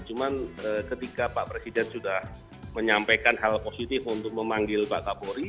cuma ketika pak presiden sudah menyampaikan hal positif untuk memanggil pak kapolri